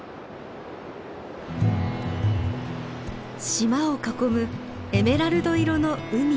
島を囲むエメラルド色の海。